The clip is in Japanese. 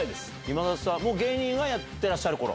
今田さん芸人はやってらっしゃる頃？